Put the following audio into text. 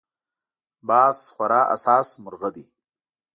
باز خورا حساس مرغه دی